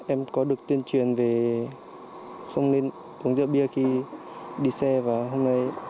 em có được tuyên truyền về không nên uống rượu bia khi đi xe vào hôm nay